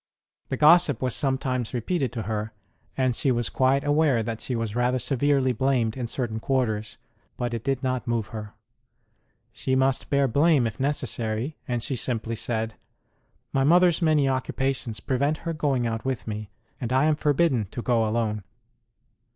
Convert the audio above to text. The gossip was some times repeated to her, and she was quite aware that she was rather severely blamed in certain quarters ; but it did not move her. She must bear blame, if necessary; and she simply said, My mother s many occupations prevent her going out with me, and I am forbidden to go alone.